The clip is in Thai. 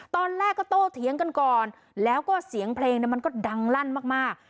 ตอนแรกก็โตเถียงกันก่อนแล้วก็เสียงเพลงมันก็ดังลั่นมาก